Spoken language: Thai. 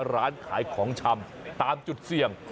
ร้านขายของชำตามจุดเสี่ยง